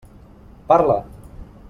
Parla!